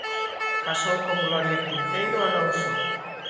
Casou con Gloria Quinteiro Alonso.